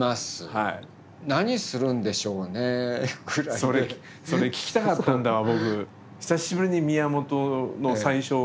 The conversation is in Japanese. それそれ聞きたかったんだわ僕。